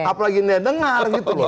apalagi dia dengar gitu loh